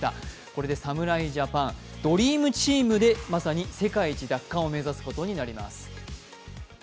これで侍ジャパンドリームチームでまさに世界一奪還を目指すことになります。